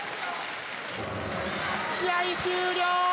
試合終了！